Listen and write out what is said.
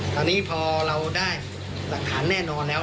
ตอนนี้พอเราได้หลักฐานแน่นอนแล้ว